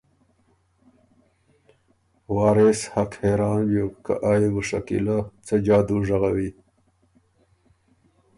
وارث حق حېران بیوک که آ يې بو شکیلۀ څه جادُو ژغوی